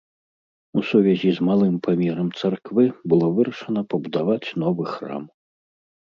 У сувязі з малым памерам царквы было вырашана пабудаваць новы храм.